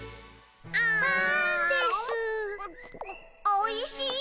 おいしい。